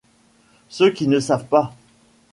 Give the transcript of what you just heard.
Ceux qui ne savent pas.